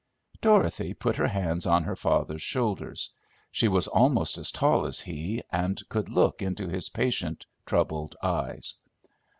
Dorothy put her hands on her father's shoulders: she was almost as tall as he, and could look into his patient, troubled eyes.